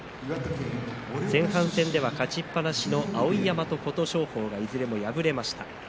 前半戦では勝ちっぱなしの碧山と琴勝峰がいずれも敗れました。